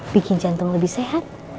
bikin jantung lebih sehat